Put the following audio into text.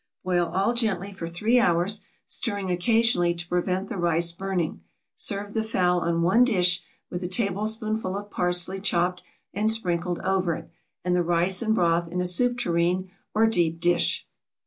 Boil all gently for three hours, stirring occasionally to prevent the rice burning; serve the fowl on one dish with a tablespoonful of parsley chopped and sprinkled over it, and the rice and broth in a soup tureen or deep dish.